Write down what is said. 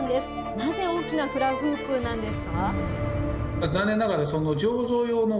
なぜ大きなフラフープなんですか。